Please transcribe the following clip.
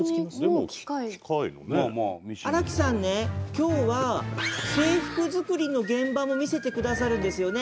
今日は制服作りの現場も見せてくださるんですよね？